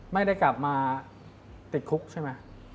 ไม่ได้กลับมาติดคุกใช่ไหม